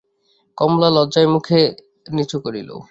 কমলা লজ্জায় মুখ নিচু করিল।